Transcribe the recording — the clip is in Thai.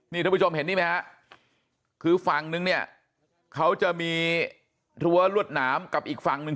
นี่ท่านผู้ชมเห็นนี่ไหมฮะคือฝั่งนึงเนี่ยเขาจะมีรั้วรวดหนามกับอีกฝั่งหนึ่ง